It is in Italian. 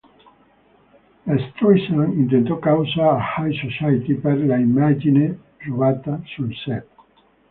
La Streisand intentò causa a "High Society" per l'immagine rubata sul set.